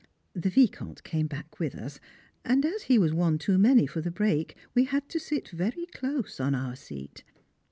The Vicomte came back with us, and, as he was one too many for the brake, we had to sit very close on our seat.